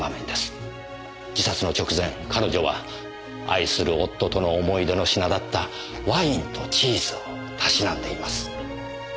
自殺の直前彼女は愛する夫との思い出の品だったワインとチーズをたしなんでいます。